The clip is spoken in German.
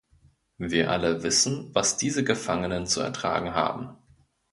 Wir alle wissen, was diese Gefangenen zu ertragen haben.